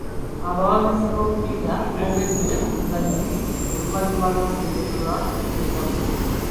Abawagiz b'omupiira baangoodde omuzannyi oluvannyuma lw'okulemererwa okuteeba ggoolo.